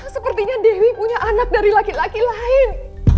sepertinya dewi punya anak dari laki laki lain